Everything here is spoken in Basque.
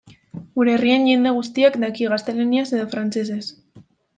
Gure herrian jende guztiak daki gaztelaniaz edo frantsesez.